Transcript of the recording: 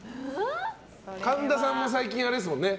神田さんも最近あれですもんね。